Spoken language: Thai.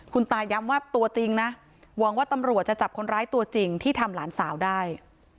คุณตาย้ำว่าตัวจริงนะหวังว่าตำรวจจะจับคนร้ายตัวจริงที่ทำหลานสาวได้